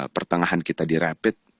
pertengahan kita di rapid